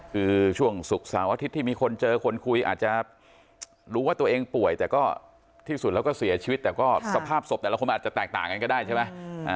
คือช่วงศุกร์เสาร์อาทิตย์ที่มีคนเจอคนคุยอาจจะรู้ว่าตัวเองป่วยแต่ก็ที่สุดแล้วก็เสียชีวิตแต่ก็สภาพศพแต่ละคนอาจจะแตกต่างกันก็ได้ใช่ไหม